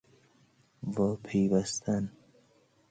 واپیوستن